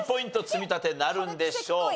積み立てなるんでしょうか？